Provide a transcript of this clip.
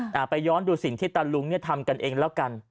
เอาไปย้อนดูสิ่งที่ตาลุงเนี่ยทำกันเองแล้วกัน